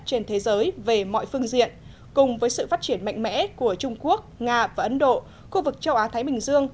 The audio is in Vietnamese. trên thế giới về mọi phương diện cùng với sự phát triển mạnh mẽ của trung quốc nga và ấn độ khu vực châu á thái bình dương